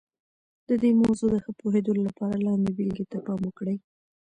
د دې موضوع د ښه پوهېدلو لپاره لاندې بېلګې ته پام وکړئ.